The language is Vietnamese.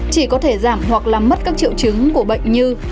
chỉ có thể giảm hoặc làm mất các triệu chứng của bệnh như